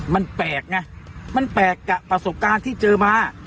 มันแปลกไงมันแปลกกับประสบการณ์ที่เจอมา